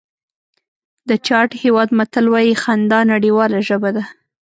د چاډ هېواد متل وایي خندا نړیواله ژبه ده.